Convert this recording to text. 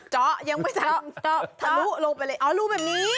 เจาะยังไม่เจาะทะลุลงไปเลยอ๋อรูแบบนี้